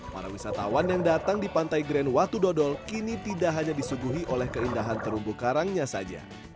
para wisatawan yang datang di pantai grand watu dodol kini tidak hanya disuguhi oleh keindahan terumbu karangnya saja